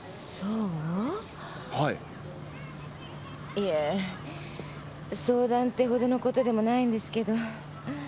いえ相談ってほどのことでもないんですけど。